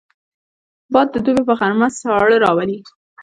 باد د دوبي په غرمه ساړه راولي